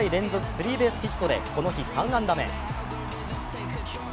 スリーベースヒットでこの日、３安打目。